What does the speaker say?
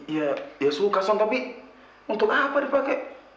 ya ya suka sona tapi untuk apa dipakai